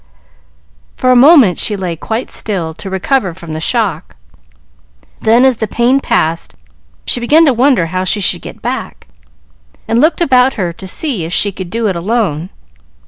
For a moment she lay quite still to recover from the shock, then as the pain passed she began to wonder how she should get back, and looked about her to see if she could do it alone.